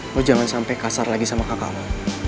lo jangan sampai kasar lagi sama kakak lo